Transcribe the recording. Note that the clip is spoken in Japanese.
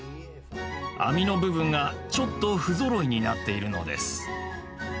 網の部分がちょっと不ぞろいになっているのです。